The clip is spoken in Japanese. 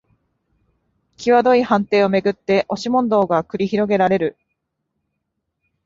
きわどい判定をめぐって押し問答が繰り広げられる